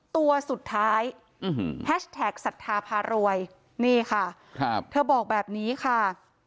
ตัวสุดท้ายแฮชแท็กศรัทธาพารวยนี่ค่ะครับเธอบอกแบบนี้ค่ะ